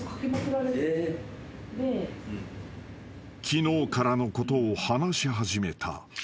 ［昨日からのことを話し始めた］